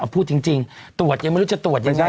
พูดจริงตรวจยังไม่รู้จะตรวจยังไง